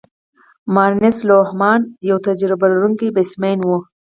مارنس لوهمان یو تجربه لرونکی بیټسمېن وو.